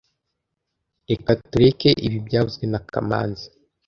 Reka tureke ibi byavuzwe na kamanzi